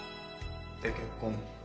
で結婚？